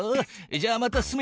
じゃあまた進め。